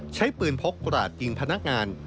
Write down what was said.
ใช้ปืนพกกราดยิงพนักงาน